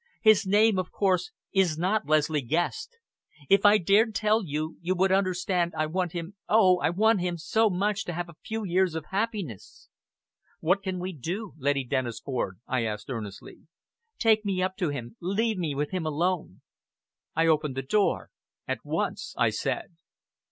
His name, of course, is not Leslie Guest! If I dared tell you, you would understand I want him oh! I want him so much to have a few years of happiness." "What can we do, Lady Dennisford?" I asked earnestly. "Take me up to him. Leave me with him alone." I opened the door. "At once!" I said.